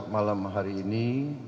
malam hari ini